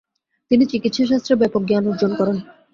তিনি চিকিৎসা শাস্ত্রে ব্যাপক জ্ঞান অর্জন করেন।